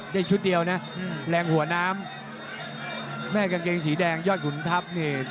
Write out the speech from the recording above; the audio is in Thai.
ชุดเดียวนะแรงหัวน้ำแม่กางเกงสีแดงยอดขุนทัพนี่